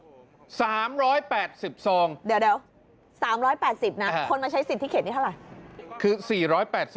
เดี๋ยว๓๘๐นะคนมาใช้สิทธิเขตนี้เท่าไหร่